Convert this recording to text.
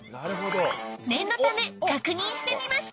念のため確認してみました。